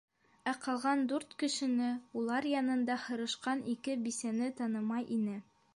Ә ҡалған дүрт кешене, улар янында һырышҡан ике бисәне танымай ине.